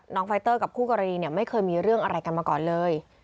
ไฟเตอร์กับคู่กรณีเนี่ยไม่เคยมีเรื่องอะไรกันมาก่อนเลย